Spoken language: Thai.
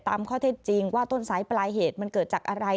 ตามข้อเท็จจริงว่าต้นสายปลายเหตุมันเกิดจากอะไร